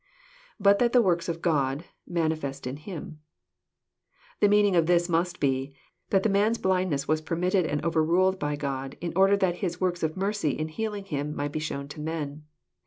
[But that the works of God... manifest in him."] The meaning of this must be, that the man's blindness was permitted and overruled by God, in order that His works of mercy in healing him might be shown to men.